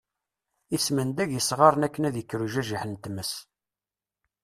Ismendaga isɣaren akken ad ikker ujajiḥ n tmes.